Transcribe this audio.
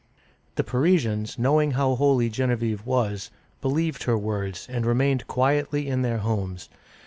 The Parisians, knowing how holy Genevieve was, believed her words, and remained quietly in their homes.